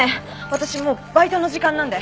私もうバイトの時間なんで。